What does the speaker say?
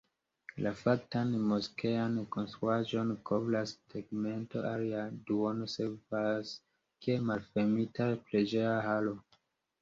La faktan moskean konstruaĵon kovras tegmento, alia duono servas kiel malfermita preĝeja halo.